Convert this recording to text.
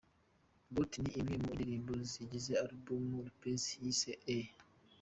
Booty’ ni imwe mu ndirimbo zigize album Lopez yise A.